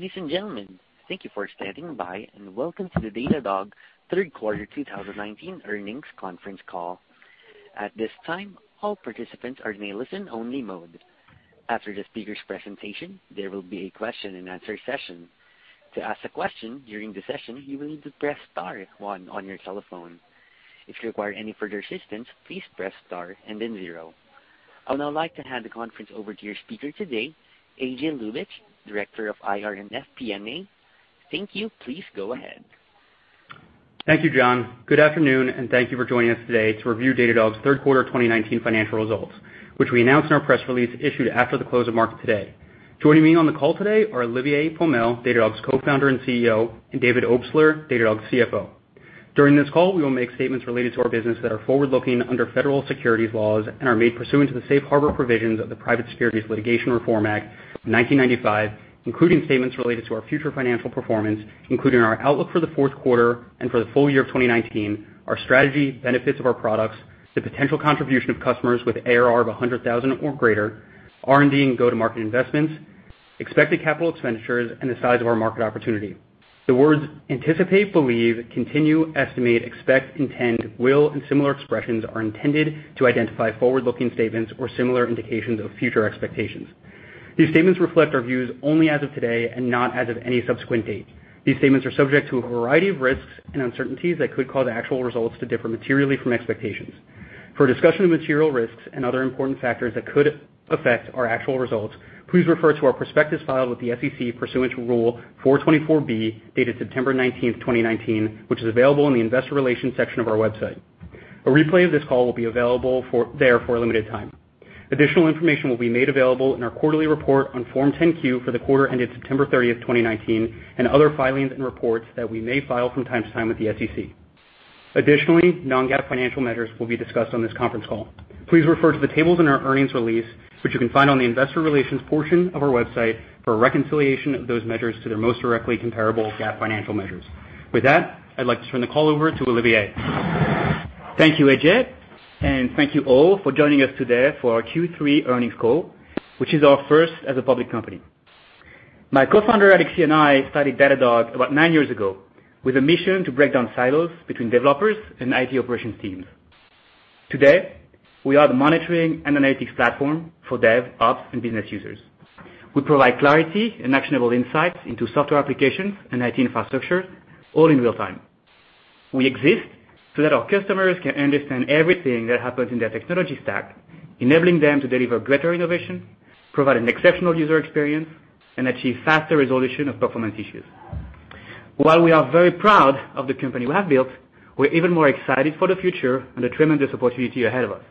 Ladies and gentlemen, thank you for standing by, and welcome to the Datadog Third Quarter 2019 Earnings Conference Call. At this time, all participants are in a listen-only mode. After the speaker's presentation, there will be a question and answer session. To ask a question during the session, you will need to press star one on your telephone. If you require any further assistance, please press star and then zero. I would now like to hand the conference over to your speaker today, AJ Ljubich, Director of IR and FP&A. Thank you. Please go ahead. Thank you, John. Good afternoon, and thank you for joining us today to review Datadog's Third Quarter 2019 financial results, which we announced in our press release issued after the close of market today. Joining me on the call today are Olivier Pomel, Datadog's Co-founder and CEO, and David Obstler, Datadog's CFO. During this call, we will make statements related to our business that are forward-looking under federal securities laws and are made pursuant to the safe harbor provisions of the Private Securities Litigation Reform Act of 1995, including statements related to our future financial performance, including our outlook for the fourth quarter and for the full year of 2019, our strategy, benefits of our products, the potential contribution of customers with ARR of $100,000 or greater, R&D and go-to-market investments, expected capital expenditures, and the size of our market opportunity. The words anticipate, believe, continue, estimate, expect, intend, will, and similar expressions are intended to identify forward-looking statements or similar indications of future expectations. These statements reflect our views only as of today and not as of any subsequent date. These statements are subject to a variety of risks and uncertainties that could cause actual results to differ materially from expectations. For a discussion of material risks and other important factors that could affect our actual results, please refer to our prospectus filed with the SEC pursuant to Rule 424(b), dated September 19, 2019, which is available in the investor relations section of our website. A replay of this call will be available there for a limited time. Additional information will be made available in our quarterly report on Form 10-Q for the quarter ended September 30, 2019, and other filings and reports that we may file from time to time with the SEC. Additionally, non-GAAP financial measures will be discussed on this conference call. Please refer to the tables in our earnings release, which you can find on the investor relations portion of our website, for a reconciliation of those measures to their most directly comparable GAAP financial measures. With that, I'd like to turn the call over to Olivier. Thank you, AJ Ljubich, and thank you all for joining us today for our Q3 earnings call, which is our first as a public company. My co-founder, Alexis, and I started Datadog about nine years ago with a mission to break down silos between developers and IT operations teams. Today, we are the monitoring and analytics platform for dev, ops, and business users. We provide clarity and actionable insights into software applications and IT infrastructure, all in real time. We exist so that our customers can understand everything that happens in their technology stack, enabling them to deliver greater innovation, provide an exceptional user experience, and achieve faster resolution of performance issues. While we are very proud of the company we have built, we're even more excited for the future and the tremendous opportunity ahead of us.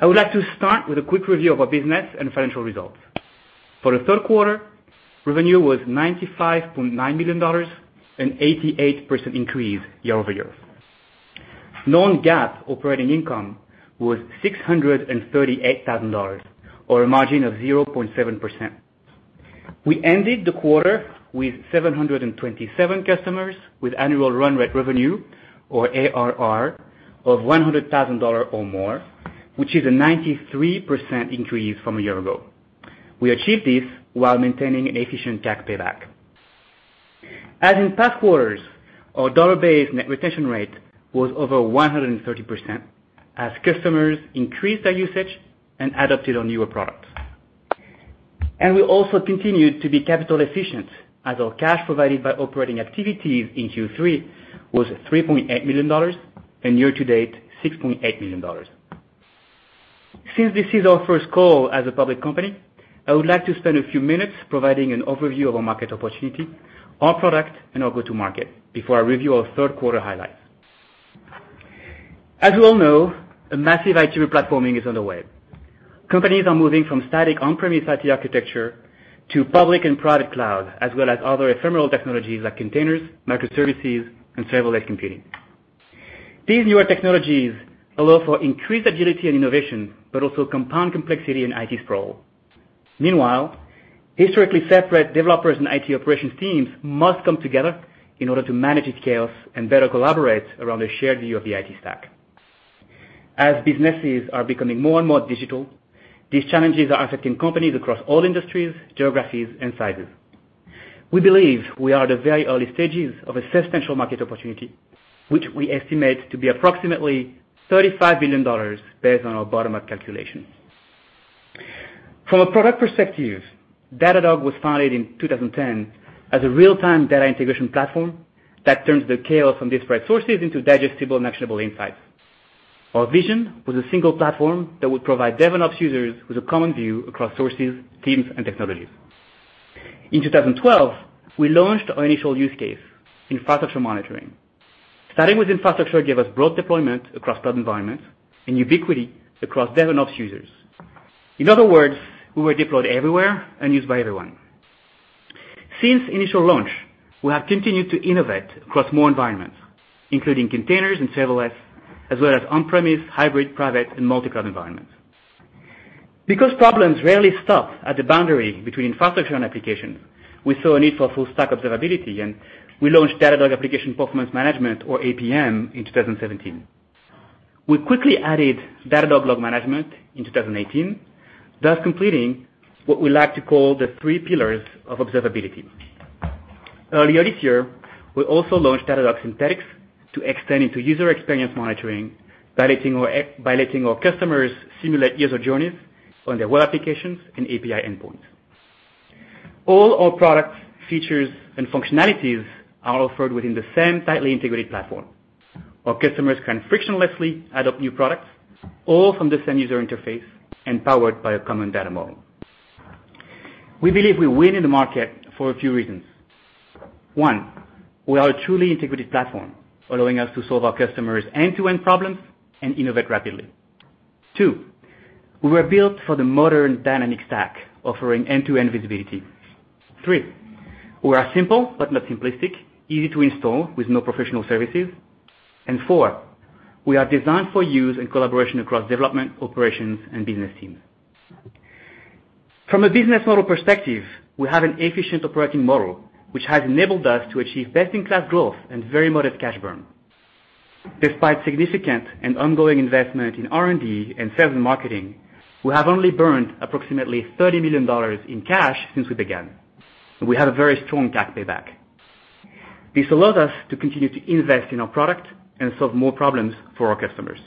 I would like to start with a quick review of our business and financial results. For the third quarter, revenue was $95.9 million, an 88% increase year-over-year. Non-GAAP operating income was $638,000, or a margin of 0.7%. We ended the quarter with 727 customers with annual run rate revenue or ARR of $100,000 or more, which is a 93% increase from a year ago. We achieved this while maintaining efficient CAC payback. As in past quarters, our dollar-based net retention rate was over 130% as customers increased their usage and adopted our newer products. We also continued to be capital efficient as our cash provided by operating activities in Q3 was $3.8 million, and year to date, $6.8 million. Since this is our first call as a public company, I would like to spend a few minutes providing an overview of our market opportunity, our product, and our go-to market before I review our third quarter highlights. As you all know, a massive IT replatforming is underway. Companies are moving from static on-premise IT architecture to public and private cloud, as well as other ephemeral technologies like containers, microservices, and serverless computing. These newer technologies allow for increased agility and innovation, but also compound complexity and IT sprawl. Meanwhile, historically separate developers and IT operations teams must come together in order to manage this chaos and better collaborate around a shared view of the IT stack. As businesses are becoming more and more digital, these challenges are affecting companies across all industries, geographies, and sizes. We believe we are at the very early stages of a substantial market opportunity, which we estimate to be approximately $35 billion based on our bottom-up calculations. From a product perspective, Datadog was founded in 2010 as a real-time data integration platform that turns the chaos from disparate sources into digestible and actionable insights. Our vision was a single platform that would provide DevOps users with a common view across sources, teams, and technologies. In 2012, we launched our initial use case in Infrastructure Monitoring. Starting with infrastructure gave us broad deployment across cloud environments and ubiquity across DevOps users. In other words, we were deployed everywhere and used by everyone. Since initial launch, we have continued to innovate across more environments, including containers and serverless, as well as on-premise, hybrid, private, and multi-cloud environments. Because problems rarely stop at the boundary between infrastructure and application, we saw a need for full-stack observability, and we launched Datadog Application Performance Management, or APM, in 2017. We quickly added Datadog Log Management in 2018, thus completing what we like to call the three pillars of observability. Earlier this year, we also launched Datadog Synthetics to extend into user experience monitoring by letting our customers simulate user journeys on their web applications and API endpoints. All our products, features, and functionalities are offered within the same tightly integrated platform. Our customers can frictionlessly add up new products all from the same user interface and powered by a common data model. We believe we win in the market for a few reasons. One, we are a truly integrated platform, allowing us to solve our customers' end-to-end problems and innovate rapidly. Two, we were built for the modern dynamic stack offering end-to-end visibility. Three, we are simple but not simplistic, easy to install with no professional services. Four, we are designed for use in collaboration across development, operations, and business teams. From a business model perspective, we have an efficient operating model, which has enabled us to achieve best-in-class growth and very modest cash burn. Despite significant and ongoing investment in R&D and sales and marketing, we have only burned approximately $30 million in cash since we began. We have a very strong cash payback. This allows us to continue to invest in our product and solve more problems for our customers.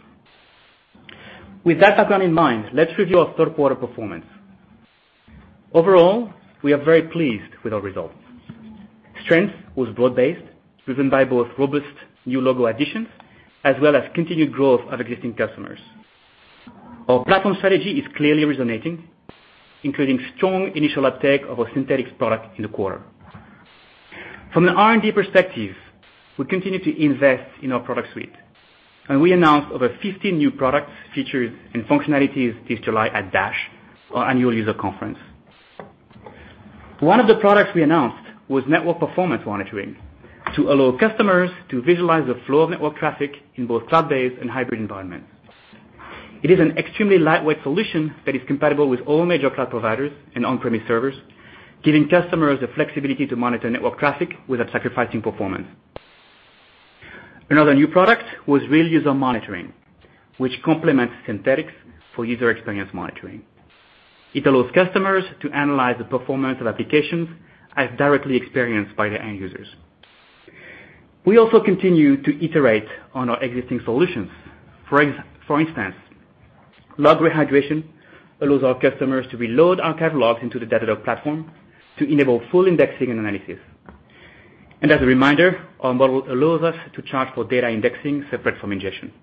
With that background in mind, let's review our third quarter performance. Overall, we are very pleased with our results. Strength was broad-based, driven by both robust new logo additions, as well as continued growth of existing customers. Our platform strategy is clearly resonating, including strong initial uptake of our Synthetics product in the quarter. From the R&D perspective, we continue to invest in our product suite. We announced over 50 new products, features, and functionalities this July at Dash, our annual user conference. One of the products we announced was Network Performance Monitoring to allow customers to visualize the flow of network traffic in both cloud-based and hybrid environments. It is an extremely lightweight solution that is compatible with all major cloud providers and on-premise servers, giving customers the flexibility to monitor network traffic without sacrificing performance. Another new product was Real User Monitoring, which complements Synthetics for user experience monitoring. It allows customers to analyze the performance of applications as directly experienced by their end users. We also continue to iterate on our existing solutions. For instance, Log Rehydration allows our customers to reload archive logs into the Datadog platform to enable full indexing and analysis. As a reminder, our model allows us to charge for data indexing separate from ingestion.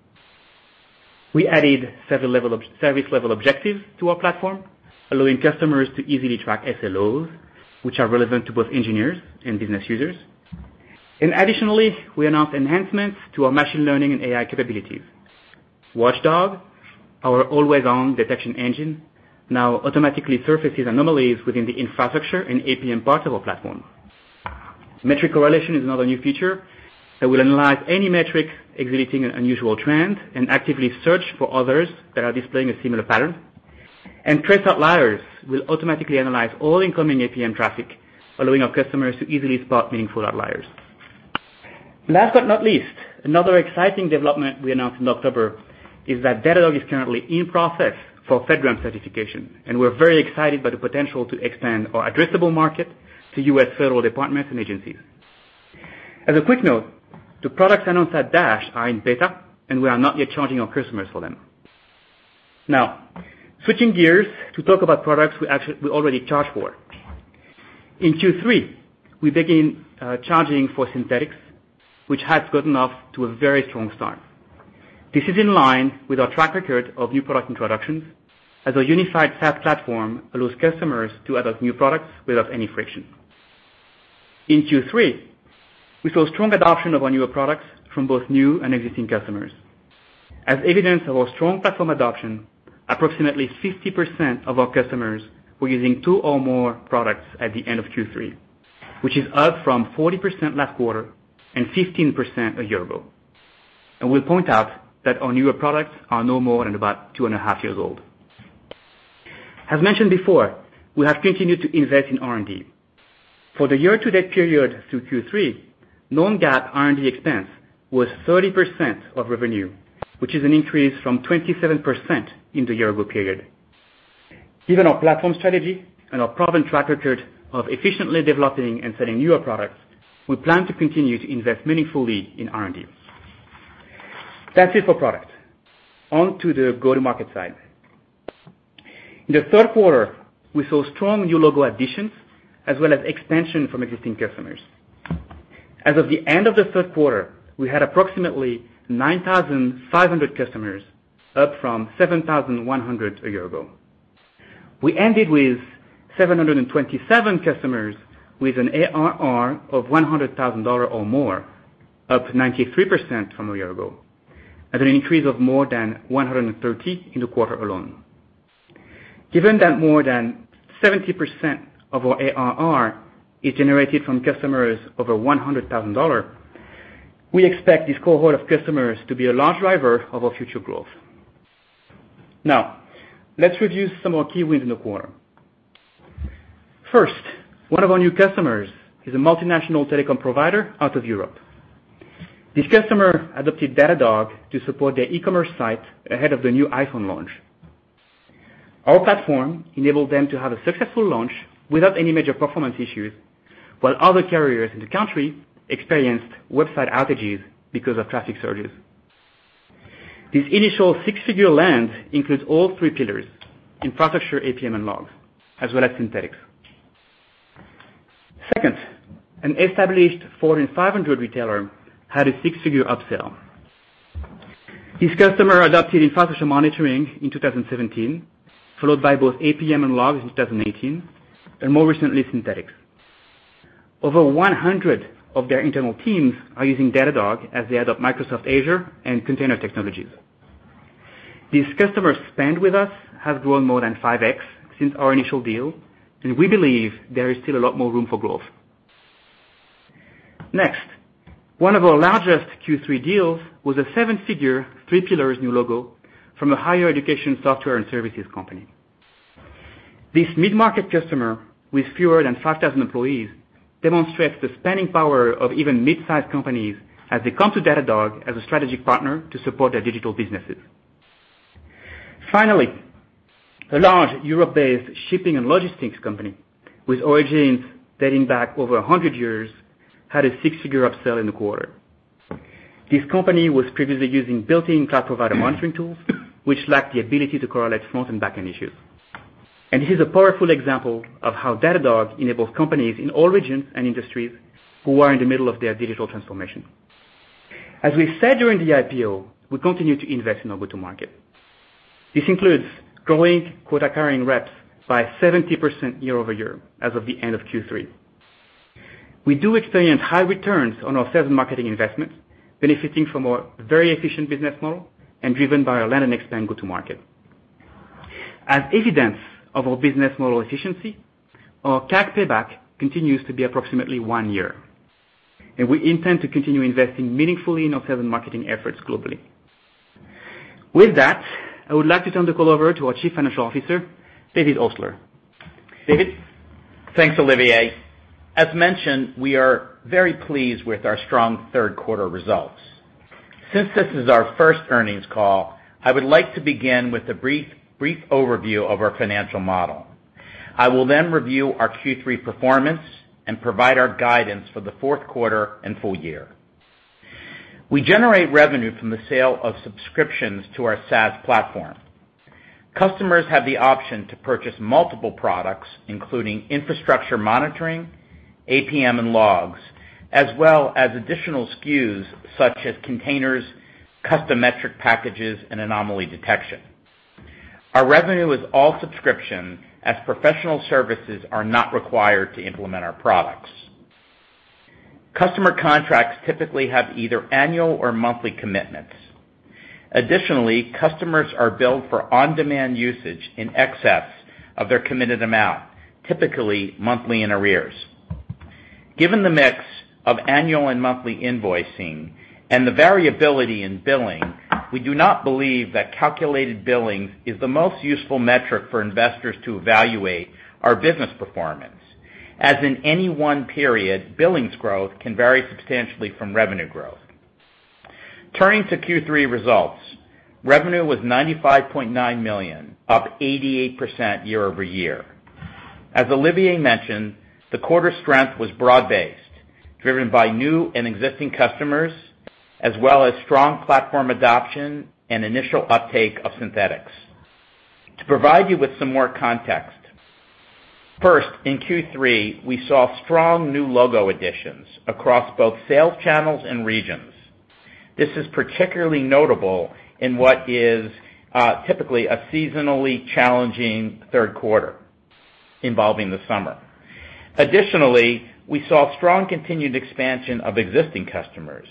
We added service level objectives to our platform, allowing customers to easily track SLOs, which are relevant to both engineers and business users. Additionally, we announced enhancements to our machine learning and AI capabilities. Watchdog, our always-on detection engine, now automatically surfaces anomalies within the infrastructure and APM parts of our platform. Metric Correlations is another new feature that will analyze any metric exhibiting an unusual trend and actively search for others that are displaying a similar pattern. Trace outliers will automatically analyze all incoming APM traffic, allowing our customers to easily spot meaningful outliers. Last but not least, another exciting development we announced in October is that Datadog is currently in process for FedRAMP certification, and we're very excited by the potential to expand our addressable market to U.S. federal departments and agencies. As a quick note, the products announced at Dash are in beta, and we are not yet charging our customers for them. Now, switching gears to talk about products we already charge for. In Q3, we begin charging for Synthetics, which has gotten off to a very strong start. This is in line with our track record of new product introductions as our unified SaaS platform allows customers to adopt new products without any friction. In Q3, we saw strong adoption of our newer products from both new and existing customers. As evidence of our strong platform adoption, approximately 50% of our customers were using two or more products at the end of Q3, which is up from 40% last quarter and 15% a year-ago. We point out that our newer products are no more than about two and a half years old. As mentioned before, we have continued to invest in R&D. For the year-to-date period through Q3, non-GAAP R&D expense was 30% of revenue, which is an increase from 27% in the year-ago period. Given our platform strategy and our proven track record of efficiently developing and selling newer products, we plan to continue to invest meaningfully in R&D. That's it for product. Onto the go-to-market side. In the third quarter, we saw strong new logo additions as well as expansion from existing customers. As of the end of the third quarter, we had approximately 9,500 customers, up from 7,100 a year ago. We ended with 727 customers with an ARR of $100,000 or more, up 93% from a year ago, at an increase of more than 130 in the quarter alone. Given that more than 70% of our ARR is generated from customers over $100,000, we expect this cohort of customers to be a large driver of our future growth. Now, let's review some of our key wins in the quarter. First, one of our new customers is a multinational telecom provider out of Europe. This customer adopted Datadog to support their e-commerce site ahead of the new iPhone launch. Our platform enabled them to have a successful launch without any major performance issues, while other carriers in the country experienced website outages because of traffic surges. This initial six-figure land includes all three pillars, infrastructure, APM, and logs, as well as synthetics. Second, an established Fortune 500 retailer had a six-figure upsell. This customer adopted infrastructure monitoring in 2017, followed by both APM and logs in 2018, and more recently, synthetics. Over 100 of their internal teams are using Datadog as they adopt Microsoft Azure and container technologies. This customer's spend with us has grown more than 5x since our initial deal. We believe there is still a lot more room for growth. Next, one of our largest Q3 deals was a 7-figure, three pillars new logo from a higher education software and services company. This mid-market customer with fewer than 5,000 employees demonstrates the spending power of even mid-sized companies as they come to Datadog as a strategic partner to support their digital businesses. Finally, a large Europe-based shipping and logistics company with origins dating back over 100 years had a 6-figure upsell in the quarter. This company was previously using built-in cloud provider monitoring tools, which lacked the ability to correlate front and back-end issues. This is a powerful example of how Datadog enables companies in all regions and industries who are in the middle of their digital transformation. As we said during the IPO, we continue to invest in go-to-market. This includes growing quota-carrying reps by 70% year-over-year as of the end of Q3. We do experience high returns on our sales and marketing investments, benefiting from our very efficient business model and driven by our land and expand go-to-market. As evidence of our business model efficiency, our CAC payback continues to be approximately one year, and we intend to continue investing meaningfully in our sales and marketing efforts globally. With that, I would like to turn the call over to our Chief Financial Officer, David Obstler. David? Thanks, Olivier. As mentioned, we are very pleased with our strong third quarter results. Since this is our first earnings call, I would like to begin with a brief overview of our financial model. I will then review our Q3 performance and provide our guidance for the fourth quarter and full year. We generate revenue from the sale of subscriptions to our SaaS platform. Customers have the option to purchase multiple products, including Infrastructure Monitoring, APM and logs, as well as additional SKUs such as containers, custom metric packages, and anomaly detection. Our revenue is all subscription, as professional services are not required to implement our products. Customer contracts typically have either annual or monthly commitments. Additionally, customers are billed for on-demand usage in excess of their committed amount, typically monthly in arrears. Given the mix of annual and monthly invoicing and the variability in billing, we do not believe that calculated billings is the most useful metric for investors to evaluate our business performance. As in any one period, billings growth can vary substantially from revenue growth. Turning to Q3 results, revenue was $95.9 million, up 88% year-over-year. As Olivier mentioned, the quarter strength was broad-based, driven by new and existing customers, as well as strong platform adoption and initial uptake of synthetics. To provide you with some more context, first, in Q3, we saw strong new logo additions across both sales channels and regions. This is particularly notable in what is typically a seasonally challenging third quarter involving the summer. Additionally, we saw strong continued expansion of existing customers.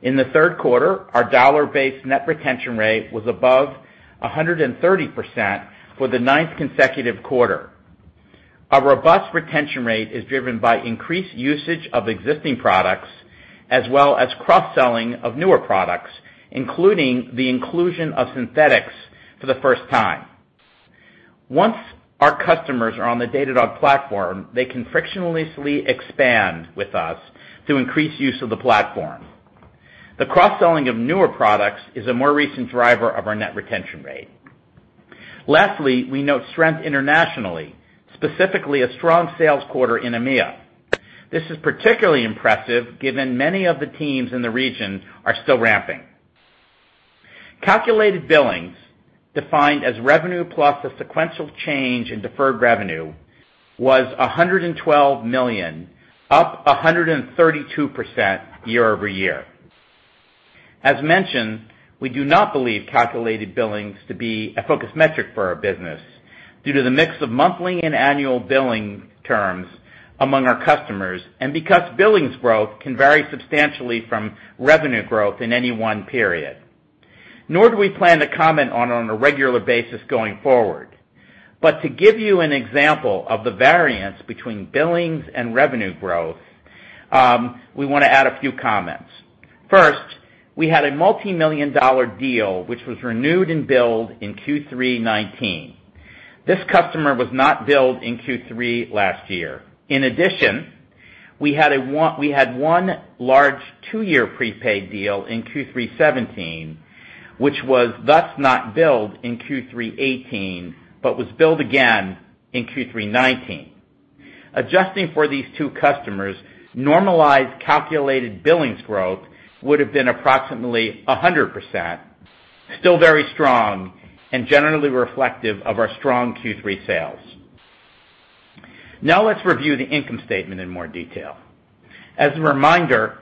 In the third quarter, our dollar-based net retention rate was above 130% for the ninth consecutive quarter. Our robust retention rate is driven by increased usage of existing products as well as cross-selling of newer products, including the inclusion of Synthetics for the first time. Once our customers are on the Datadog platform, they can frictionlessly expand with us to increase use of the platform. The cross-selling of newer products is a more recent driver of our net retention rate. We note strength internationally, specifically a strong sales quarter in EMEA. This is particularly impressive given many of the teams in the region are still ramping. Calculated billings, defined as revenue plus a sequential change in deferred revenue, was $112 million, up 132% year-over-year. As mentioned, we do not believe calculated billings to be a focus metric for our business due to the mix of monthly and annual billing terms among our customers and because billings growth can vary substantially from revenue growth in any one period. Nor do we plan to comment on it on a regular basis going forward. To give you an example of the variance between billings and revenue growth. We wanna add a few comments. First, we had a multi-million dollar deal which was renewed and billed in Q3 2019. This customer was not billed in Q3 last year. In addition, we had one large 2-year prepaid deal in Q3 2017, which was thus not billed in Q3 2018, but was billed again in Q3 2019. Adjusting for these two customers, normalized calculated billings growth would have been approximately 100%, still very strong and generally reflective of our strong Q3 sales. Let's review the income statement in more detail. As a reminder,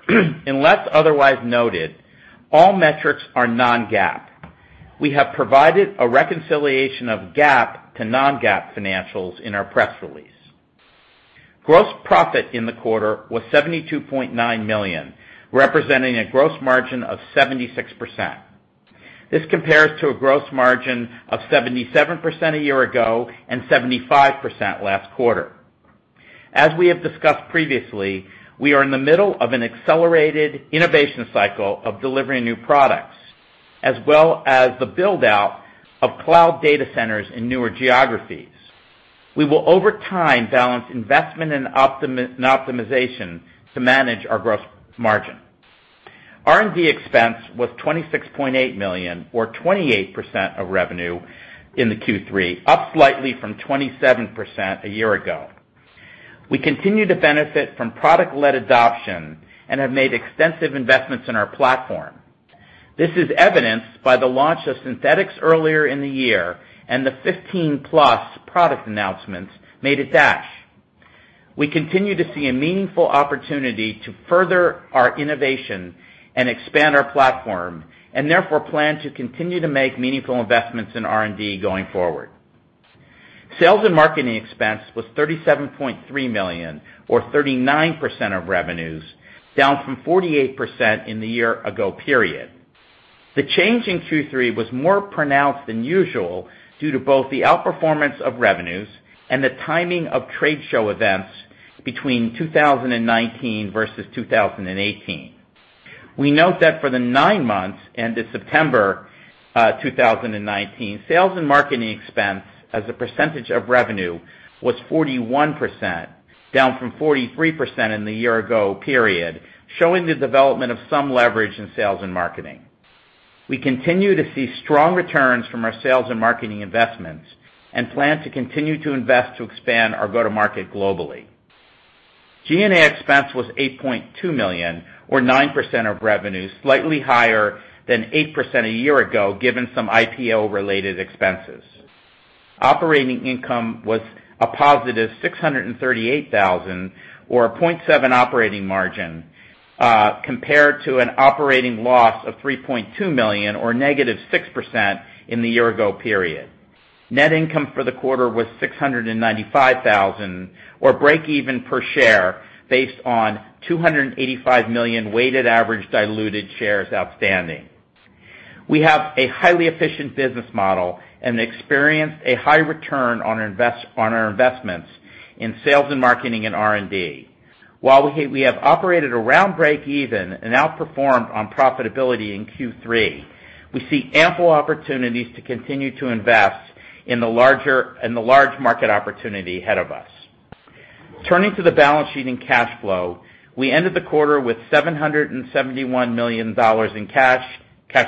unless otherwise noted, all metrics are non-GAAP. We have provided a reconciliation of GAAP to non-GAAP financials in our press release. Gross profit in the quarter was $72.9 million, representing a gross margin of 76%. This compares to a gross margin of 77% a year ago and 75% last quarter. As we have discussed previously, we are in the middle of an accelerated innovation cycle of delivering new products, as well as the build-out of cloud data centers in newer geographies. We will, over time, balance investment and optimization to manage our gross margin. R&D expense was $26.8 million, or 28% of revenue in the Q3, up slightly from 27% a year ago. We continue to benefit from product-led adoption and have made extensive investments in our platform. This is evidenced by the launch of Synthetics earlier in the year and the 15+ product announcements made at Dash. We continue to see a meaningful opportunity to further our innovation and expand our platform, and therefore plan to continue to make meaningful investments in R&D going forward. Sales and marketing expense was $37.3 million, or 39% of revenues, down from 48% in the year ago period. The change in Q3 was more pronounced than usual due to both the outperformance of revenues and the timing of trade show events between 2019 versus 2018. We note that for the nine months ended September 2019, sales and marketing expense as a percentage of revenue was 41%, down from 43% in the year ago period, showing the development of some leverage in sales and marketing. We continue to see strong returns from our sales and marketing investments and plan to continue to invest to expand our go-to-market globally. G&A expense was $8.2 million, or 9% of revenue, slightly higher than 8% a year ago, given some IPO-related expenses. Operating income was a positive $638 thousand, or a 0.7% operating margin, compared to an operating loss of $3.2 million or negative 6% in the year ago period. Net income for the quarter was $695,000 or breakeven per share based on 285 million weighted average diluted shares outstanding. We have a highly efficient business model and experienced a high return on our investments in sales and marketing and R&D. While we have operated around breakeven and outperformed on profitability in Q3, we see ample opportunities to continue to invest in the large market opportunity ahead of us. Turning to the balance sheet and cash flow, we ended the quarter with $771 million in cash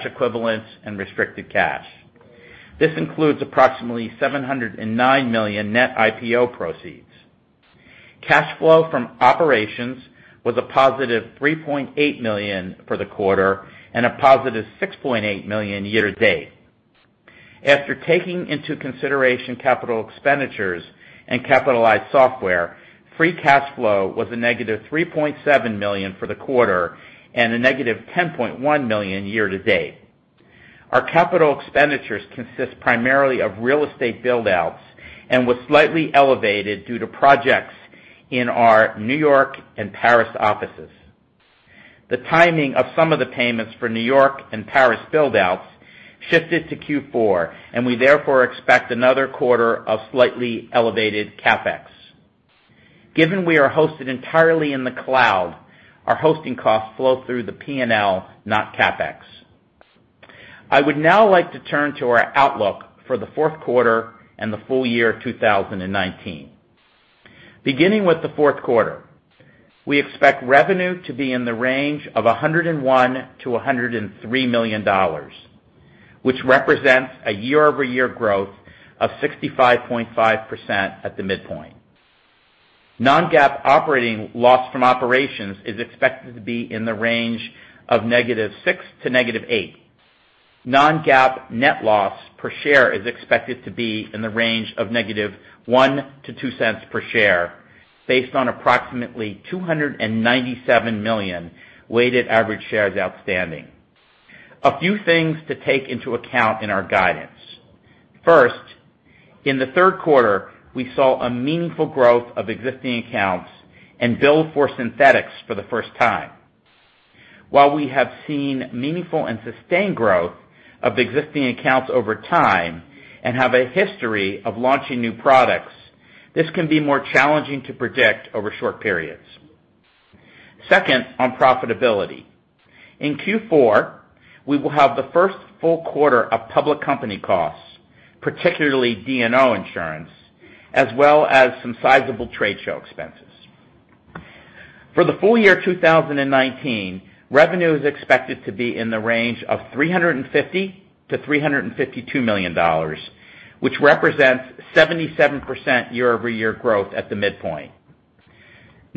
equivalents, and restricted cash. This includes approximately $709 million net IPO proceeds. Cash flow from operations was a positive $3.8 million for the quarter and a positive $6.8 million year to date. After taking into consideration capital expenditures and capitalized software, free cash flow was a negative $3.7 million for the quarter and a negative $10.1 million year-to-date. Our capital expenditures consist primarily of real estate build-outs and was slightly elevated due to projects in our New York and Paris offices. The timing of some of the payments for New York and Paris build-outs shifted to Q4, and we therefore expect another quarter of slightly elevated CapEx. Given we are hosted entirely in the cloud, our hosting costs flow through the P&L, not CapEx. I would now like to turn to our outlook for the fourth quarter and the full year of 2019. Beginning with the fourth quarter, we expect revenue to be in the range of $101 million-$103 million, which represents a year-over-year growth of 65.5% at the midpoint. Non-GAAP operating loss from operations is expected to be in the range of -$6 million to -$8 million. Non-GAAP net loss per share is expected to be in the range of -$0.01 to -$0.02 per share based on approximately 297 million weighted average shares outstanding. A few things to take into account in our guidance. First, in the third quarter, we saw a meaningful growth of existing accounts and billed for Synthetics for the first time. While we have seen meaningful and sustained growth of existing accounts over time and have a history of launching new products, this can be more challenging to predict over short periods. Second, on profitability. In Q4, we will have the first full quarter of public company costs, particularly D&O insurance, as well as some sizable trade show expenses. For the full year 2019, revenue is expected to be in the range of $350 million-$352 million, which represents 77% year-over-year growth at the midpoint.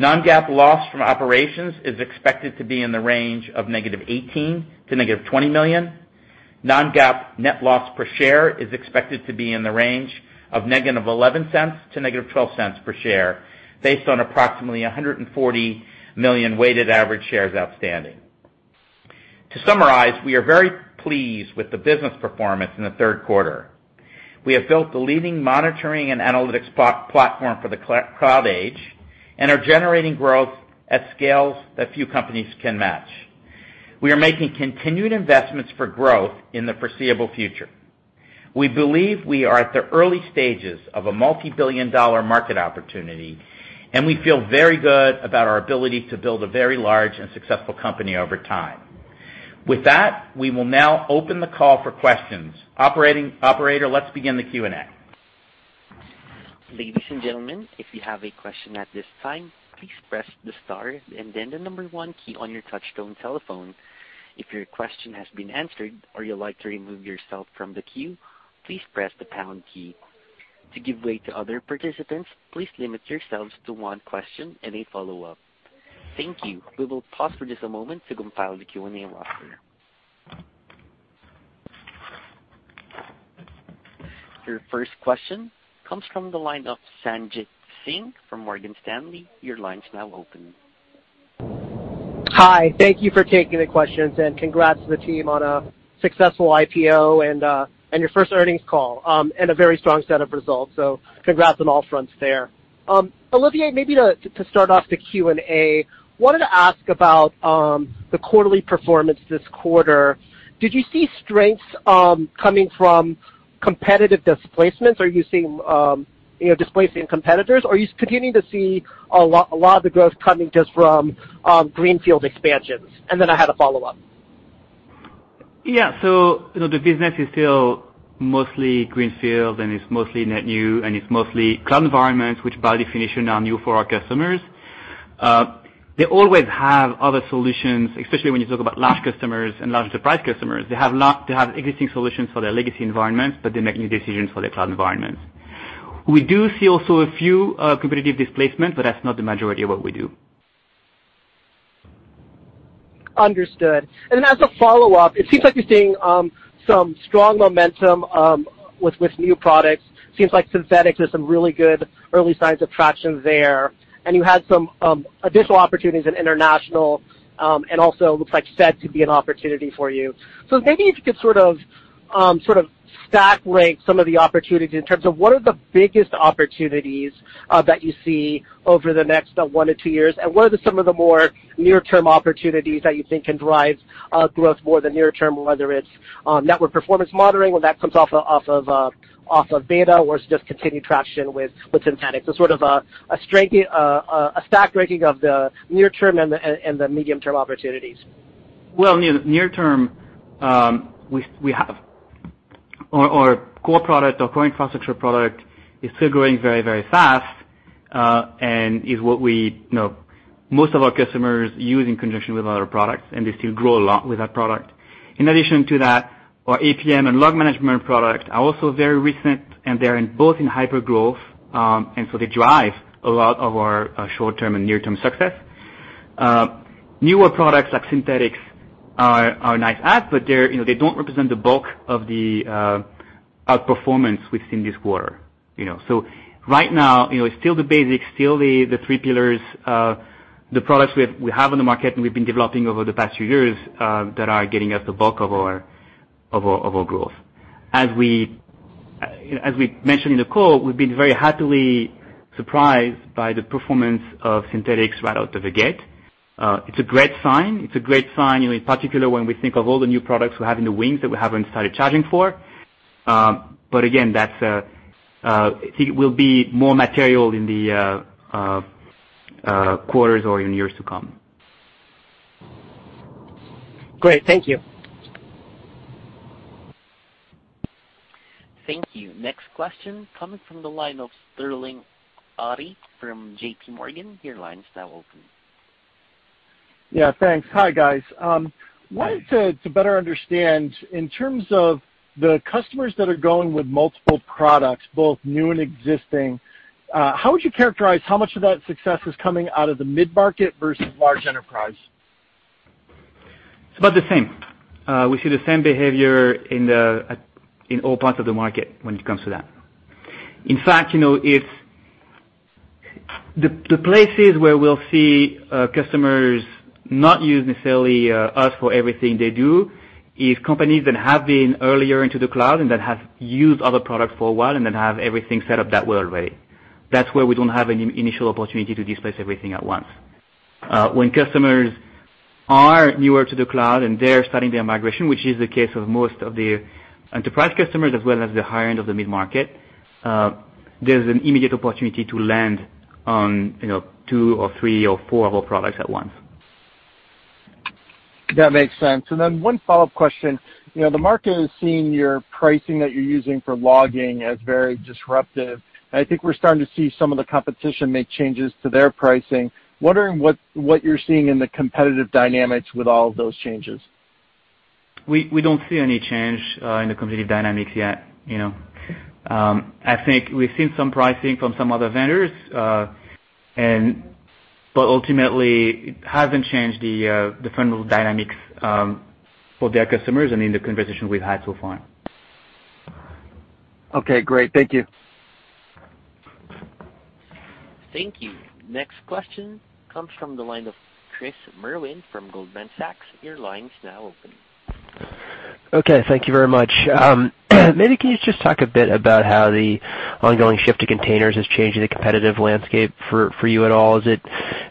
Non-GAAP loss from operations is expected to be in the range of -$18 million to -$20 million. Non-GAAP net loss per share is expected to be in the range of -$0.11 to -$0.12 per share based on approximately 140 million weighted average shares outstanding. To summarize, we are very pleased with the business performance in the third quarter. We have built the leading monitoring and analytics platform for the cloud age and are generating growth at scales that few companies can match. We are making continued investments for growth in the foreseeable future. We believe we are at the early stages of a multi-billion-dollar market opportunity, and we feel very good about our ability to build a very large and successful company over time. With that, we will now open the call for questions. Operator, let's begin the Q&A. Ladies and gentlemen, if you have a question at this time, please press the star and then the number one key on your touchtone telephone. If your question has been answered or you'd like to remove yourself from the queue, please press the pound key. To give way to other participants, please limit yourselves to one question and a follow-up. Thank you. We will pause for just a moment to compile the Q&A roster. Your first question comes from the line of Sanjit Singh from Morgan Stanley. Your line's now open. Hi. Thank you for taking the questions, congrats to the team on a successful IPO and your first earnings call, and a very strong set of results. Congrats on all fronts there. Olivier, maybe to start off the Q&A, wanted to ask about the quarterly performance this quarter. Did you see strengths coming from competitive displacements? Are you seeing, you know, displacing competitors, or are you continuing to see a lot of the growth coming just from greenfield expansions? I had a follow-up. Yeah. You know, the business is still mostly greenfield, and it's mostly net new, and it's mostly cloud environments, which by definition are new for our customers. They always have other solutions, especially when you talk about large customers and large enterprise customers. They have existing solutions for their legacy environments, but they make new decisions for their cloud environments. We do see also a few competitive displacement, but that's not the majority of what we do. Understood. As a follow-up, it seems like you're seeing some strong momentum with new products. Seems like Synthetics is some really good early signs of traction there. You had some additional opportunities in international, and also looks like Fed to be an opportunity for you. Maybe if you could sort of stack rank some of the opportunities in terms of what are the biggest opportunities that you see over the next one to two years? What are some of the more near-term opportunities that you think can drive growth more the near term, whether it's Network Performance Monitoring when that comes off of beta, or it's just continued traction with Synthetics? Sort of a strength, a stack ranking of the near term and the medium-term opportunities. Well, near-term, we have our core product, our core Infrastructure product is still growing very, very fast, and is what we, you know, most of our customers use in conjunction with our products, and they still grow a lot with that product. In addition to that, our APM and Log Management product are also very recent, and they're both in hypergrowth, so they drive a lot of our short-term and near-term success. Newer products like Synthetics are nice add, they're, you know, they don't represent the bulk of the outperformance within this quarter, you know. Right now, you know, it's still the basics, still the three pillars, the products we have in the market and we've been developing over the past few years, that are getting us the bulk of our growth. As we mentioned in the call, we've been very happily surprised by the performance of Synthetics right out of the gate. It's a great sign. It's a great sign, you know, in particular, when we think of all the new products we have in the wings that we haven't started charging for. Again, that's it will be more material in the quarters or even years to come. Great. Thank you. Thank you. Next question comes from the line of Sterling Auty from JPMorgan. Your line is now open. Yeah, thanks. Hi, guys. Hi. Wanted to better understand, in terms of the customers that are going with multiple products, both new and existing, how would you characterize how much of that success is coming out of the mid-market versus large enterprise? It's about the same. We see the same behavior in the in all parts of the market when it comes to that. In fact, you know, the places where we'll see customers not use necessarily us for everything they do is companies that have been earlier into the cloud and that have used other products for a while and then have everything set up that way already. That's where we don't have an initial opportunity to displace everything at once. When customers are newer to the cloud and they're starting their migration, which is the case of most of the enterprise customers as well as the higher end of the mid-market, there's an immediate opportunity to land on, you know, two or three or four of our products at once. That makes sense. Then one follow-up question. You know, the market is seeing your pricing that you're using for logging as very disruptive. I think we're starting to see some of the competition make changes to their pricing. Wondering what you're seeing in the competitive dynamics with all of those changes? We don't see any change in the competitive dynamics yet, you know. I think we've seen some pricing from some other vendors. Ultimately, it hasn't changed the fundamental dynamics for their customers and in the conversation we've had so far. Okay, great. Thank you. Thank you. Next question comes from the line of Chris Merwin from Goldman Sachs. Your line's now open. Okay, thank you very much. Maybe can you just talk a bit about how the ongoing shift to containers is changing the competitive landscape for you at all? Is it,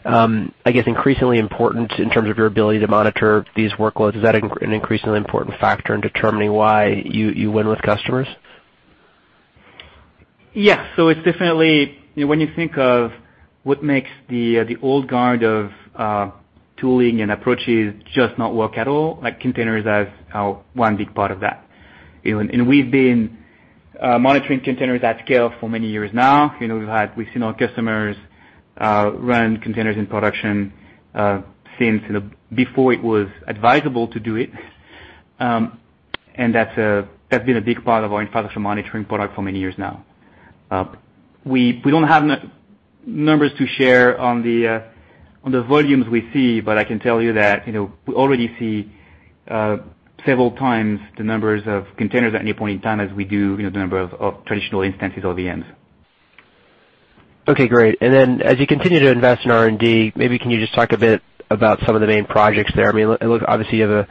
I guess, increasingly important in terms of your ability to monitor these workloads? Is that an increasingly important factor in determining why you win with customers? Yes. It's definitely When you think of what makes the old guard of tooling and approaches just not work at all, like, containers as one big part of that, you know. We've been monitoring containers at scale for many years now. You know, we've seen our customers run containers in production since, you know, before it was advisable to do it. That's been a big part of our Infrastructure Monitoring product for many years now. We don't have numbers to share on the volumes we see, but I can tell you that, you know, we already see several times the numbers of containers at any point in time as we do, you know, the number of traditional instances or VMs. Okay, great. As you continue to invest in R&D, maybe can you just talk a bit about some of the main projects there? I mean, look, obviously, you have a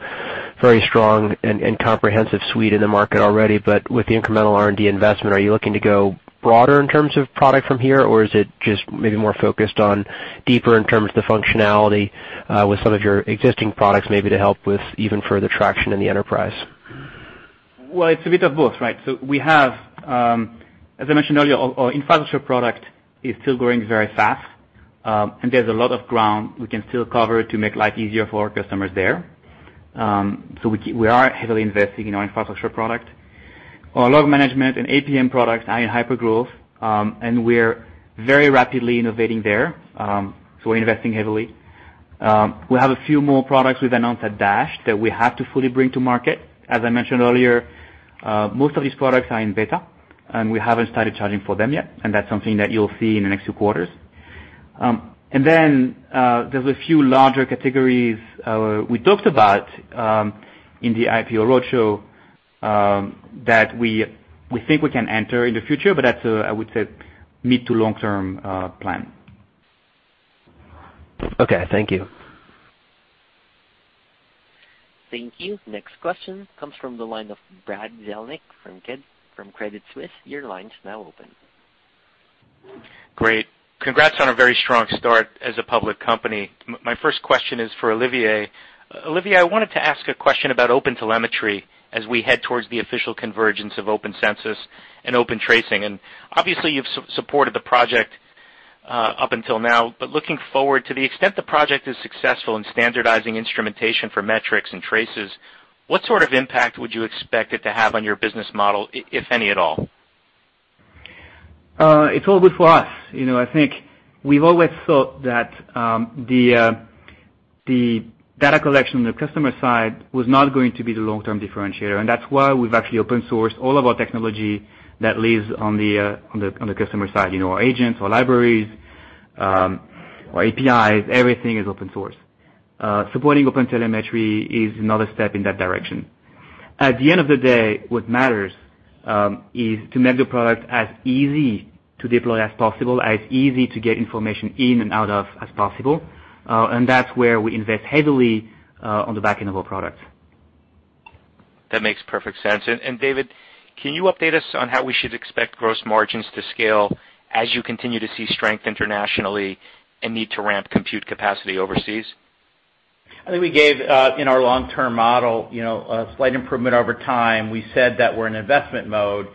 very strong and comprehensive suite in the market already, but with the incremental R&D investment, are you looking to go broader in terms of product from here, or is it just maybe more focused on deeper in terms of the functionality, with some of your existing products maybe to help with even further traction in the enterprise? It's a bit of both, right? We have, as I mentioned earlier, our infrastructure product is still growing very fast, and there's a lot of ground we can still cover to make life easier for our customers there. We are heavily investing in our infrastructure product. Our Log Management and APM products are in hypergrowth, and we're very rapidly innovating there. We're investing heavily. We have a few more products we've announced at Dash that we have to fully bring to market. As I mentioned earlier, most of these products are in beta, and we haven't started charging for them yet, and that's something that you'll see in the next two quarters. There's a few larger categories we talked about in the IPO roadshow that we think we can enter in the future, but that's a, I would say, mid to long-term plan. Okay, thank you. Thank you. Next question comes from the line of Brad Zelnick from Credit Suisse. Your line's now open. Great. Congrats on a very strong start as a public company. My first question is for Olivier. Olivier, I wanted to ask a question about OpenTelemetry as we head towards the official convergence of OpenCensus and OpenTracing. Obviously, you've supported the project up until now. Looking forward, to the extent the project is successful in standardizing instrumentation for metrics and traces, what sort of impact would you expect it to have on your business model, if any at all? It's all good for us. You know, I think we've always thought that the data collection on the customer side was not going to be the long-term differentiator, and that's why we've actually open sourced all of our technology that lives on the customer side. You know, our agents, our libraries, our APIs, everything is open source. Supporting OpenTelemetry is another step in that direction. At the end of the day, what matters is to make the product as easy to deploy as possible, as easy to get information in and out of as possible. That's where we invest heavily on the back end of our products. That makes perfect sense. David, can you update us on how we should expect gross margins to scale as you continue to see strength internationally and need to ramp compute capacity overseas? I think we gave, in our long-term model, you know, a slight improvement over time. We said that we're in investment mode.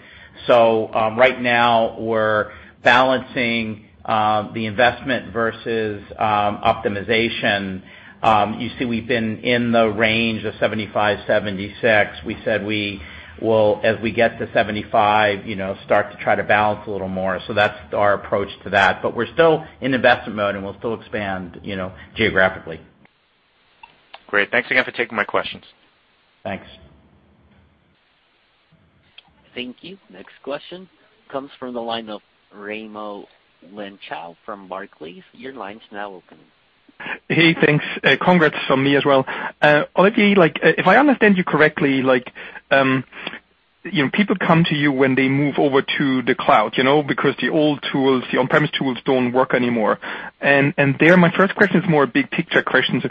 Right now we're balancing the investment versus optimization. You see we've been in the range of 75, 76. We said we will, as we get to 75, you know, start to try to balance a little more. That's our approach to that. We're still in investment mode, and we'll still expand, you know, geographically. Great. Thanks again for taking my questions. Thanks. Thank you. Next question comes from the line of Raimo Lenschow from Barclays. Your line's now open. Hey, thanks. Congrats from me as well. Olivier, like, if I understand you correctly, like, you know, people come to you when they move over to the cloud, you know, because the old tools, the on-premise tools don't work anymore. There, my first question is more a big picture question.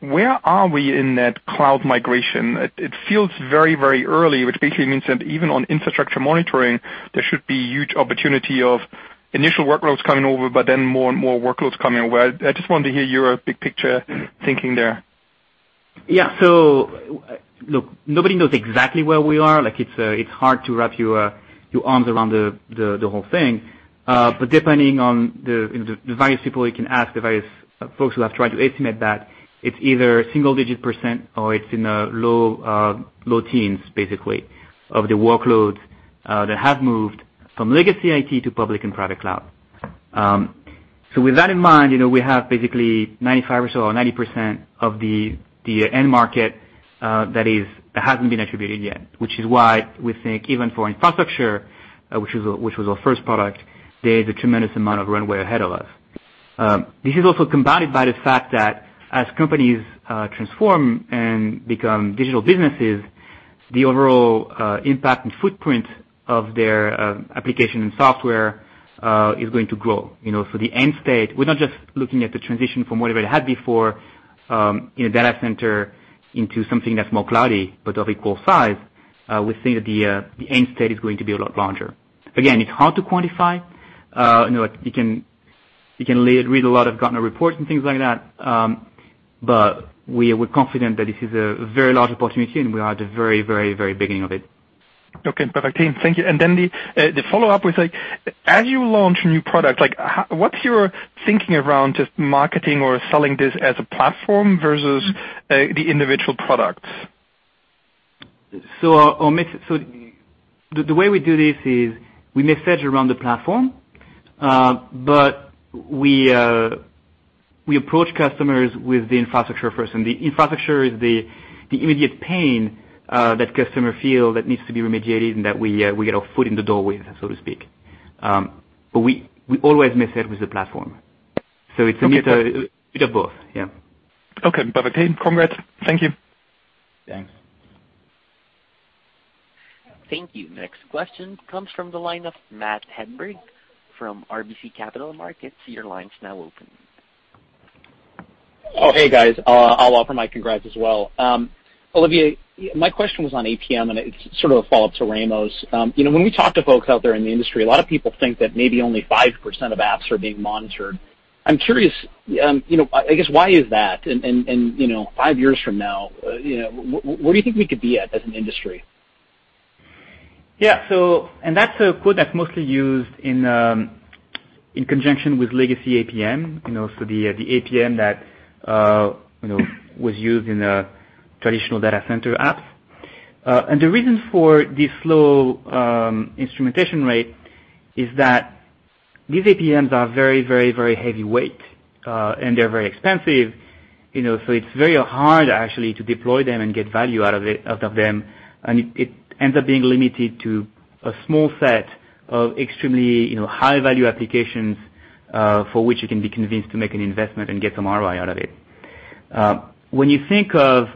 Where are we in that cloud migration? It feels very, very early, which basically means that even on infrastructure monitoring, there should be huge opportunity of initial workloads coming over, but then more and more workloads coming in. I just wanted to hear your big picture thinking there. Yeah. Look, nobody knows exactly where we are. Like, it's hard to wrap your arms around the whole thing. Depending on the, you know, various people you can ask, the various folks who have tried to estimate that, it's either a single-digit % or it's in the low teens, basically, of the workloads that have moved from legacy IT to public and private cloud. With that in mind, you know, we have basically 95 or so or 90% of the end market that hasn't been attributed yet, which is why we think even for infrastructure, which was our first product, there's a tremendous amount of runway ahead of us. This is also combined by the fact that as companies transform and become digital businesses, the overall impact and footprint of their application and software is going to grow. You know, for the end state, we're not just looking at the transition from whatever it had before, in a data center into something that's more cloudy, but of equal size. We think that the end state is going to be a lot larger. It's hard to quantify. You know, you can read a lot of Gartner reports and things like that. We're confident that this is a very large opportunity, and we are at the very, very, very beginning of it. Okay. Perfect. Thank you. Then the follow-up was like, as you launch a new product, like, what's your thinking around just marketing or selling this as a platform versus the individual products? The way we do this is we message around the platform, but we approach customers with the infrastructure first. The infrastructure is the immediate pain that customer feel that needs to be remediated and that we get our foot in the door with, so to speak. We always message with the platform. It's a bit of both. Yeah. Okay. Perfect. Congrats. Thank you. Thanks. Thank you. Next question comes from the line of Matt Hedberg from RBC Capital Markets. Your line's now open. Hey, guys. I'll offer my congrats as well. Olivier, my question was on APM, and it's sort of a follow-up to Raimo Lenschow. You know, when we talk to folks out there in the industry, a lot of people think that maybe only 5% of apps are being monitored. I'm curious, you know, I guess why is that? You know, five years from now, you know, where do you think we could be at as an industry? Yeah. That's a quote that's mostly used in conjunction with legacy APM, you know, so the APM that, you know, was used in traditional data center apps. The reason for this low instrumentation rate is that these APMs are very, very, very heavyweight, and they're very expensive. You know, so it's very hard actually to deploy them and get value out of them. It, it ends up being limited to a small set of extremely, you know, high-value applications, for which you can be convinced to make an investment and get some ROI out of it. When you think of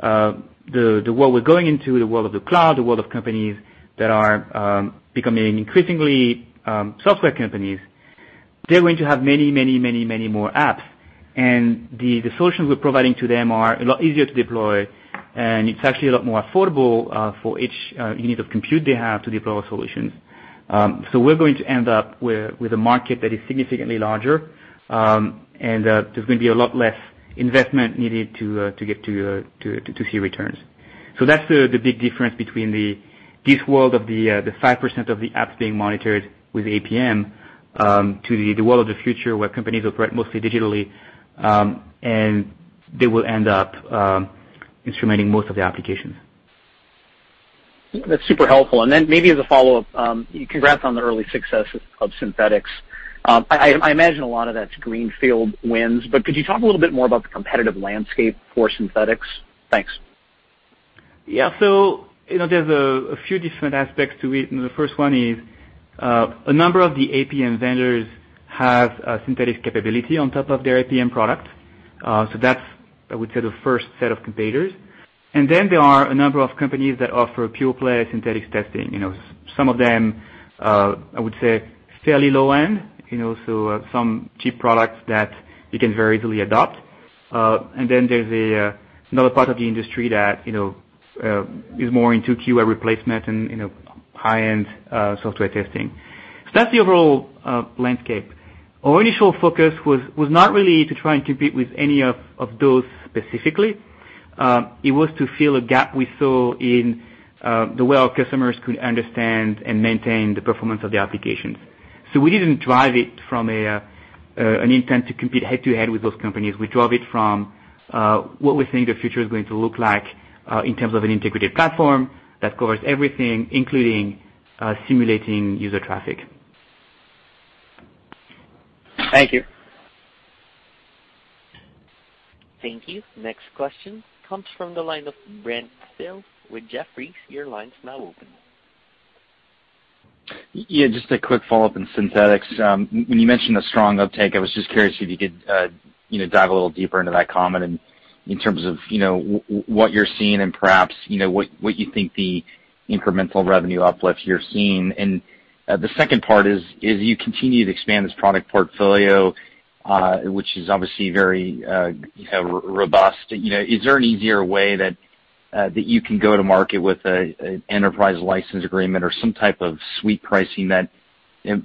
the world we're going into, the world of the cloud, the world of companies that are becoming increasingly software companies, they're going to have many, many, many, many more apps. The solutions we're providing to them are a lot easier to deploy, and it's actually a lot more affordable for each unit of compute they have to deploy solutions. We're going to end up with a market that is significantly larger, and there's gonna be a lot less investment needed to get to see returns. That's the big difference between this world of the 5% of the apps being monitored with APM, to the world of the future where companies operate mostly digitally, and they will end up instrumenting most of the applications. That's super helpful. Maybe as a follow-up, congrats on the early success of Synthetics. I imagine a lot of that's greenfield wins, but could you talk a little bit more about the competitive landscape for Synthetics? Thanks. Yeah. You know, there's a few different aspects to it, and the first one is a number of the APM vendors have a Synthetics capability on top of their APM product. That's I would say the first set of competitors. There are a number of companies that offer pure play Synthetics testing. You know, some of them, I would say fairly low end, you know, some cheap products that you can very easily adopt. There's another part of the industry that, you know, is more into QA replacement and, you know, high-end software testing. That's the overall landscape. Our initial focus was not really to try and compete with any of those specifically. It was to fill a gap we saw in the way our customers could understand and maintain the performance of the applications. We didn't drive it from an intent to compete head-to-head with those companies. We drove it from what we think the future is going to look like in terms of an integrated platform that covers everything, including simulating user traffic. Thank you. Thank you. Next question comes from the line of Brent Thill with Jefferies. Your line's now open. Yeah, just a quick follow-up on Synthetics. When you mentioned a strong uptake, I was just curious if you could, you know, dive a little deeper into that comment and in terms of, you know, what you're seeing and perhaps, you know, what you think the incremental revenue uplift you're seeing. The second part is, as you continue to expand this product portfolio, which is obviously very, you know, robust, you know, is there an easier way that you can go to market with a, an enterprise license agreement or some type of suite pricing that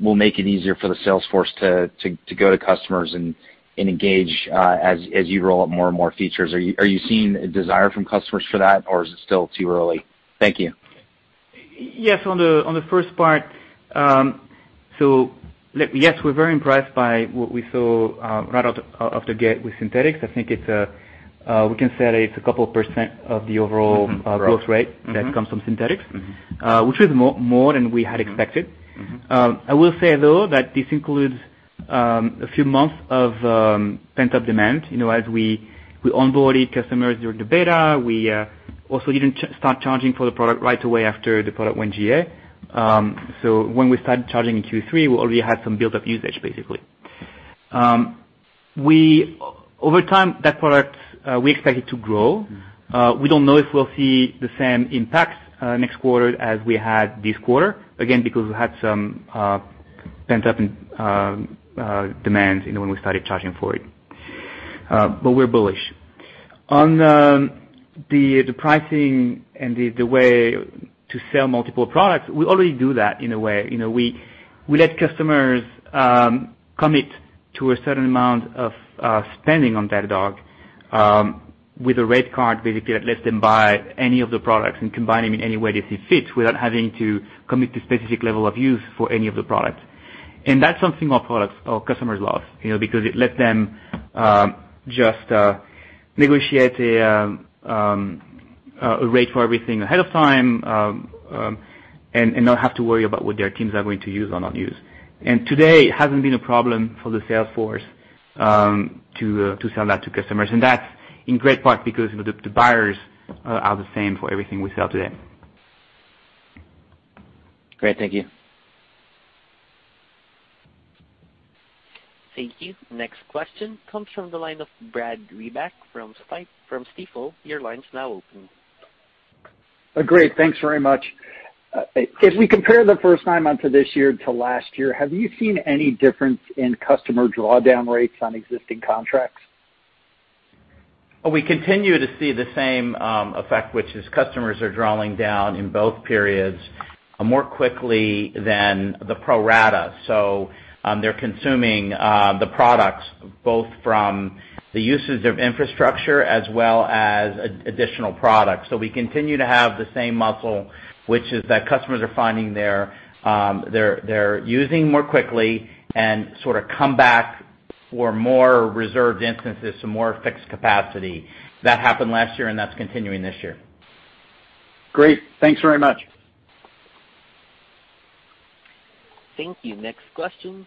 will make it easier for the sales force to go to customers and engage, as you roll out more and more features. Are you seeing a desire from customers for that, or is it still too early? Thank you. Yes, on the first part. Yes, we're very impressed by what we saw, right out of the gate with Synthetics. I think it's, we can say it's a couple % of the overall. growth rate that comes from Synthetics. Which is more than we had expected. I will say, though, that this includes a few months of pent-up demand, you know, as we onboarded customers during the beta. We also didn't start charging for the product right away after the product went GA. When we started charging in Q3, we already had some built-up usage, basically. We Over time, that product, we expect it to grow. We don't know if we'll see the same impact next quarter as we had this quarter, again, because we had some pent-up demands, you know, when we started charging for it. We're bullish. On the pricing and the way to sell multiple products, we already do that in a way. You know, we let customers commit to a certain amount of spending on Datadog with a rate card basically that lets them buy any of the products and combine them in any way they see fit without having to commit to specific level of use for any of the products. That's something our customers love, you know, because it lets them just negotiate a rate for everything ahead of time and not have to worry about what their teams are going to use or not use. Today, it hasn't been a problem for the sales force to sell that to customers, and that's in great part because the buyers are the same for everything we sell today. Great. Thank you. Thank you. Next question comes from the line of Brad Reback from Stifel. Your line's now open. Great. Thanks very much. If we compare the first nine months of this year to last year, have you seen any difference in customer drawdown rates on existing contracts? We continue to see the same effect, which is customers are drawing down in both periods more quickly than the pro rata. They're consuming the products both from the usage of infrastructure as well as additional products. We continue to have the same muscle, which is that customers are finding they're using more quickly and sort of come back for more reserved instances, so more fixed capacity. That happened last year, and that's continuing this year. Great. Thanks very much. Thank you. Next question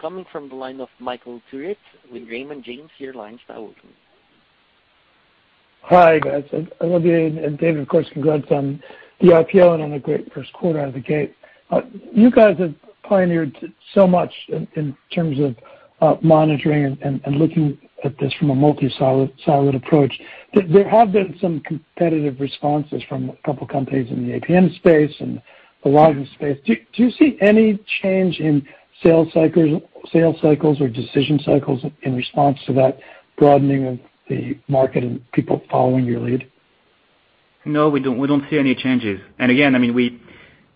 coming from the line of Michael Turits with Raymond James. Your line's now open. Hi, guys. Olivier Pomel and David Obstler, of course, congrats on the IPO and on a great Q1 out of the gate. You guys have pioneered so much in terms of monitoring and looking at this from a multi-siloed approach. There have been some competitive responses from a couple companies in the APM space and the logging space. Do you see any change in sales cycles or decision cycles in response to that broadening of the market and people following your lead? No, we don't, we don't see any changes. Again, I mean,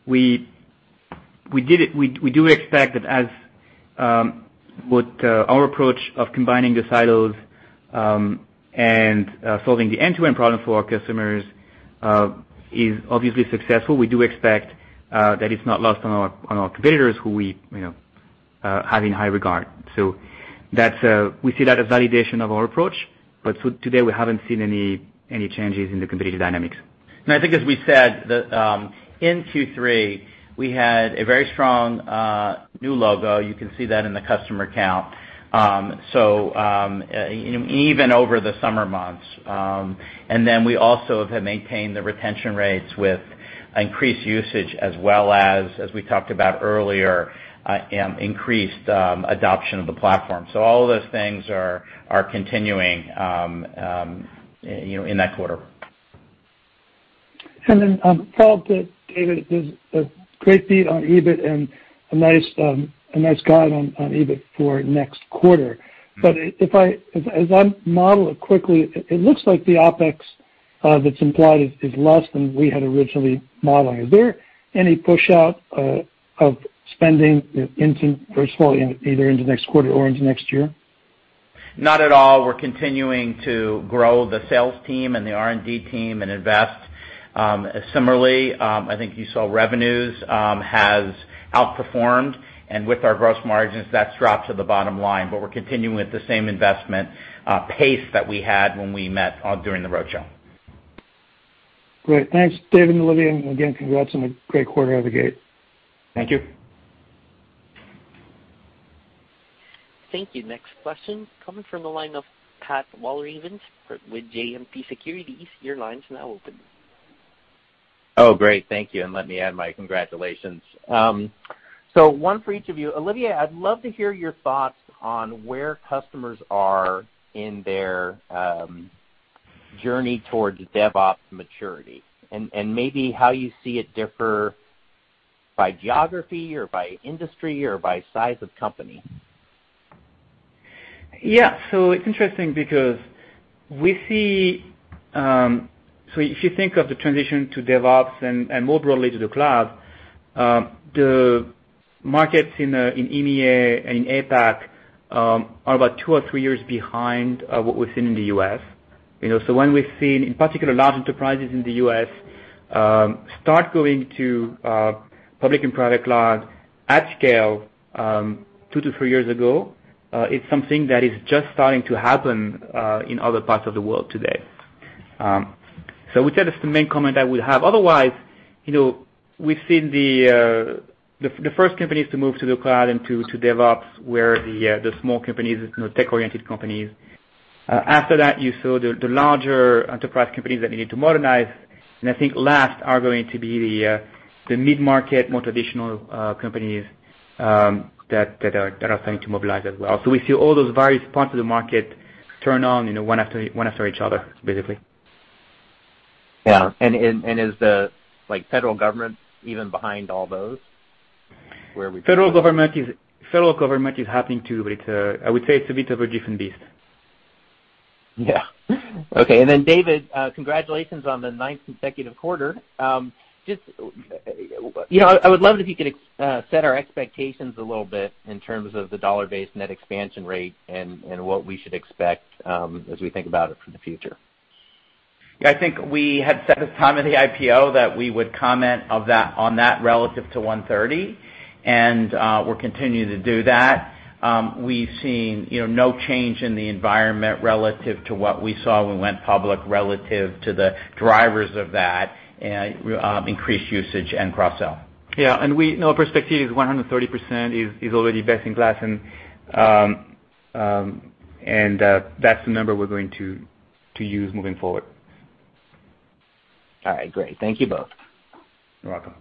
we do expect that as with our approach of combining the silos and solving the end-to-end problem for our customers is obviously successful. We do expect that it's not lost on our competitors who we, you know, have in high regard. That's we see that as validation of our approach. Today, we haven't seen any changes in the competitive dynamics. I think as we said that, in Q3, we had a very strong new logo. You can see that in the customer count. You know, even over the summer months. We also have maintained the retention rates with increased usage as well as we talked about earlier, increased adoption of the platform. All of those things are continuing, you know, in that quarter. Follow-up to David. There's a great beat on EBIT and a nice guide on EBIT for next quarter. If as I model it quickly, it looks like the OpEx that's implied is less than we had originally modeled. Is there any push out of spending into, first of all, either into next quarter or into next year? Not at all. We're continuing to grow the sales team and the R&D team and invest. Similarly, I think you saw revenues has outperformed, and with our gross margins, that's dropped to the bottom line. We're continuing with the same investment pace that we had when we met during the roadshow. Great. Thanks, Dave and Olivier. Again, congrats on a great quarter out of the gate. Thank you. Thank you. Next question coming from the line of Pat Walravens with JMP Securities. Your line's now open. Oh, great. Thank you. Let me add my congratulations. One for each of you. Olivier, I'd love to hear your thoughts on where customers are in their journey towards DevOps maturity and maybe how you see it differ by geography or by industry or by size of company. Yeah. It's interesting because we see, if you think of the transition to DevOps and more broadly to the cloud, the markets in EMEA and in APAC are about two or three years behind what we've seen in the U.S. You know, when we've seen, in particular, large enterprises in the U.S. start going to public and private cloud at scale, two to three years ago, it's something that is just starting to happen in other parts of the world today. We tell you some main comment I would have. Otherwise, you know, we've seen the 1st companies to move to the cloud and to DevOps were the small companies, you know, tech-oriented companies. After that, you saw the larger enterprise companies that needed to modernize. I think last are going to be the mid-market, more traditional, companies that are starting to mobilize as well. We see all those various parts of the market turn on, you know, one after each other, basically. Yeah. Is the, like, federal government even behind all those where we...? Federal government is happening too, but it's, I would say it's a bit of a different beast. Yeah. Okay. Then, David, congratulations on the ninth consecutive quarter. Just, you know, I would love it if you could set our expectations a little bit in terms of the dollar-based net expansion rate and what we should expect, as we think about it for the future? Yeah, I think we had set a time at the IPO that we would comment on that relative to 130, and we're continuing to do that. We've seen, you know, no change in the environment relative to what we saw when we went public relative to the drivers of that, increased usage and cross-sell. Yeah. We know our perspective is 130% is already best in class and, that's the number we're going to use moving forward. All right. Great. Thank you both. You're welcome.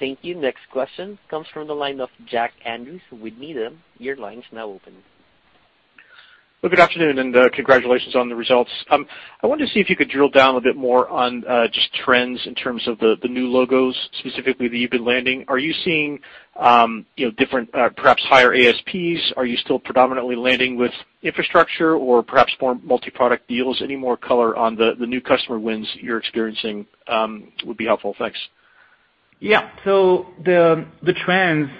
Thank you. Next question comes from the line of Jack Andrews with Needham. Your line is now open. Well, good afternoon and congratulations on the results. I wanted to see if you could drill down a bit more on just trends in terms of the new logos, specifically that you've been landing. Are you seeing, you know, different, perhaps higher ASPs? Are you still predominantly landing with infrastructure or perhaps more multi-product deals? Any more color on the new customer wins you're experiencing would be helpful. Thanks. Yeah. The trends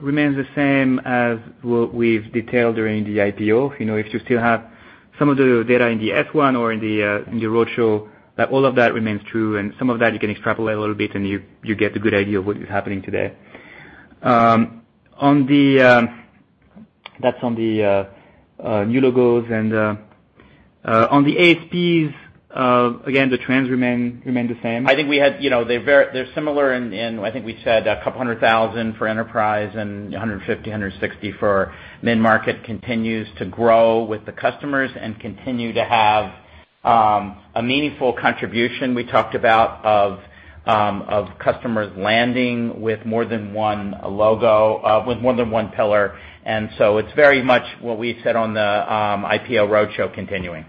remains the same as what we've detailed during the IPO. You know, if you still have some of the data in the S-1 or in your roadshow, that all of that remains true, some of that you can extrapolate a little bit and you get a good idea of what is happening today. That's on the new logos and on the ASPs, again, the trends remain the same. I think we had, you know, they're similar in, I think we said a couple hundred thousand for enterprise and 150, 160 for mid-market continues to grow with the customers and continue to have a meaningful contribution we talked about of customers landing with more than one logo, with more than one pillar. It's very much what we said on the IPO roadshow continuing.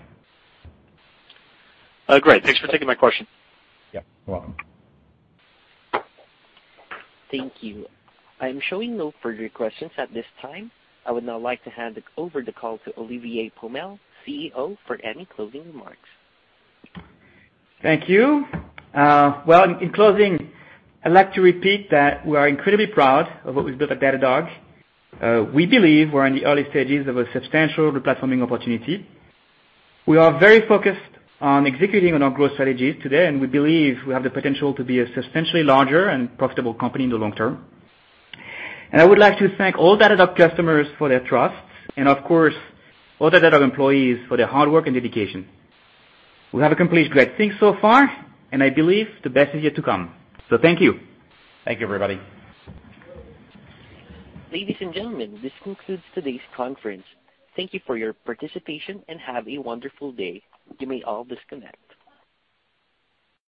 Great. Thanks for taking my question. Yeah. You're welcome. Thank you. I'm showing no further questions at this time. I would now like to hand it over the call to Olivier Pomel, CEO, for any closing remarks. Thank you. Well, in closing, I'd like to repeat that we are incredibly proud of what we've built at Datadog. We believe we're in the early stages of a substantial replatforming opportunity. We are very focused on executing on our growth strategies today, we believe we have the potential to be a substantially larger and profitable company in the long term. I would like to thank all Datadog customers for their trust and, of course, all the Datadog employees for their hard work and dedication. We have accomplished great things so far, I believe the best is yet to come. Thank you. Thank you, everybody. Ladies and gentlemen, this concludes today's conference. Thank you for your participation and have a wonderful day. You may all disconnect.